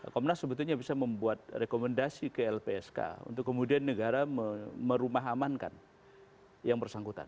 komnas sebetulnya bisa membuat rekomendasi ke lpsk untuk kemudian negara merumahamankan yang bersangkutan